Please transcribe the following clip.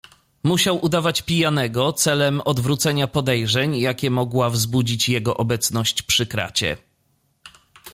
"Musiał udawać pijanego, celem odwrócenia podejrzeń, jakie mogła wzbudzić jego obecność przy kracie."